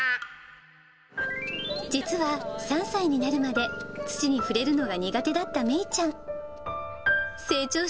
実は３歳になるまで、土に触れるのが苦手だった芽衣ちゃん。